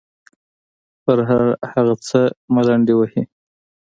پر هر هغه څه ملنډې وهي.